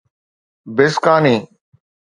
بسڪاني